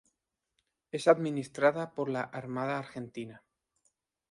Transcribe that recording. Es administrada por la Armada Argentina.